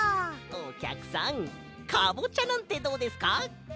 おきゃくさんカボチャなんてどうですか？